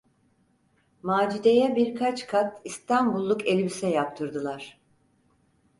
Macide’ye birkaç kat "İstanbulluk" elbise yaptırdılar.